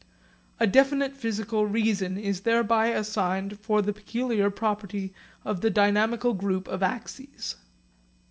A definite physical reason is thereby assigned for the peculiar property of the dynamical group of axes.